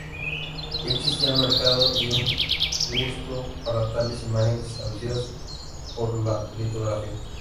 Ya existía un mercado y un gusto para tales imágenes establecido por la litografía.